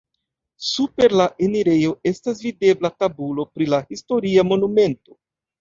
Super la enirejo estas videbla tabulo pri la historia monumento.